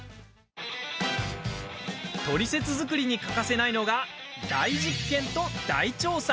トリセツ作りに欠かせないのが大実験と大調査。